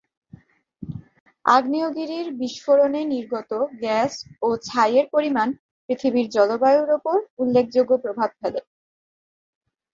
আগ্নেয়গিরির বিস্ফোরণে নির্গত গ্যাস ও ছাইয়ের পরিমাণ পৃথিবীর জলবায়ুর উপর উল্লেখযোগ্য প্রভাব ফেলে।